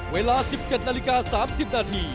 เวลา๑๗นาฬิกา๓๐นาที